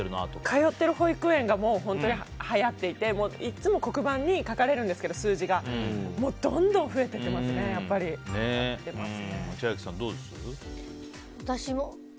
通っている保育園が本当にはやっていていつも黒板に書かれるんですけど数字が千秋さん、どうです？